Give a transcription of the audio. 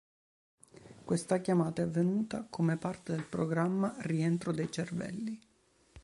Questa chiamata è avvenuta come parte del programma "Rientro dei Cervelli".